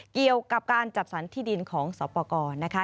เกี่ยวกับการจัดสรรที่ดินของสอปกรนะคะ